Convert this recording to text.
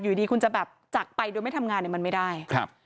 อยู่ดีคุณจะจักรไปโดยไม่ทำงานมันไม่ได้